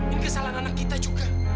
ini kesalahan anak kita juga